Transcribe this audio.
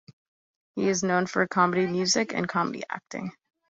He is known for comedy music and comedy acting.